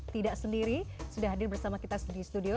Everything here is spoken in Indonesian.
tidak sendiri sudah hadir bersama kita di studio